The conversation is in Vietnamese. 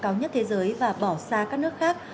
cao nhất thế giới và bỏ xa các nước khác